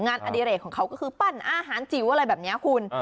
อดิเรกของเขาก็คือปั้นอาหารจิ๋วอะไรแบบนี้คุณ